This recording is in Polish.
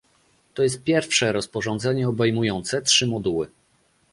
To jest pierwsze rozporządzenie, obejmujące trzy moduły